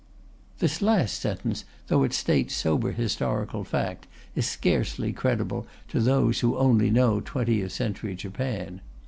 This last sentence, though it states sober historical fact, is scarcely credible to those who only know twentieth century Japan.